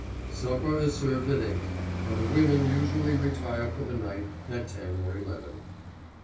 Supper is served at eight, and the women usually retire for the night at ten or eleven.